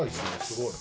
すごい。